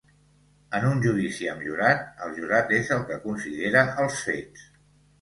En un judici amb jurat, el jurat és el que considera els fets.